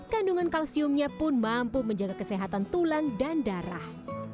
kandungan kalsiumnya pun mampu menjaga kesehatan tulang dan darah